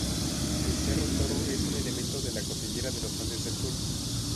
El Cerro Toro es un elemento de la cordillera de los Andes del sur.